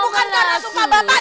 kalau bukan gara gara sukabata